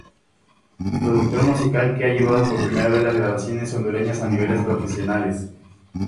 Productor musical que ha llevado por primera vez las grabaciones hondureñas a niveles profesionales.